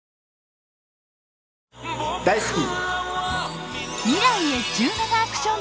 大好き！